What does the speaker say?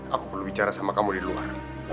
aku perlu bicara sama kamu di luar